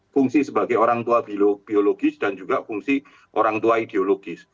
fungsi sebagai orang tua biologis dan juga fungsi orang tua ideologis